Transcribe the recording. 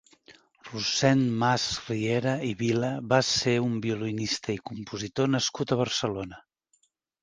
Rossend Masriera i Vila va ser un violinista i compositor nascut a Barcelona.